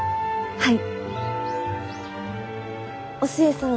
はい！